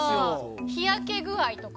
日焼け具合とか？